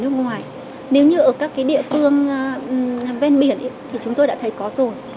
nếu như ở các cái địa phương ven biển thì chúng tôi đã thấy có rồi